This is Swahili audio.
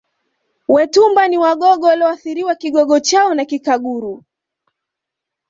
Wetumba ni Wagogo walioathiriwa Kigogo chao na Kikaguru